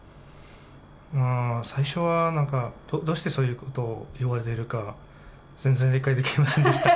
最初はなんか、どうしてそういうことを言われているか、全然理解できませんでした。